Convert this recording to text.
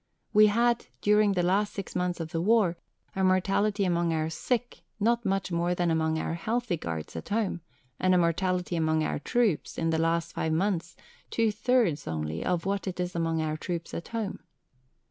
"We had, during the last six months of the war, a mortality among our sick not much more than among our healthy guards at home, and a mortality among our troops, in the last five months, two thirds only of what it is among our troops at home."